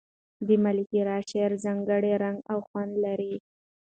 د ملکیار شعر ځانګړی رنګ او خوند لري.